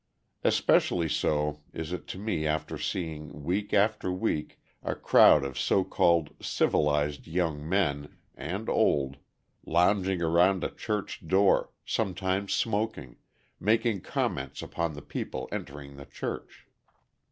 Especially so is it to me after seeing, week after week, a crowd of so called civilized young men (and old) lounging around a church door, sometimes smoking, making comments upon the people entering the church.